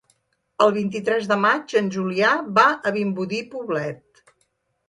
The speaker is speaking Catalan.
El vint-i-tres de maig en Julià va a Vimbodí i Poblet.